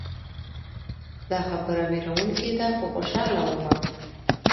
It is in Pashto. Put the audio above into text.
دا خبره ویروونکې ده خو خوشحاله ومه.